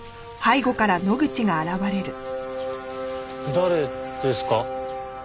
誰ですか？